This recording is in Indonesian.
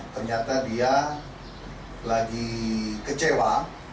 ternyata dia lagi kecewa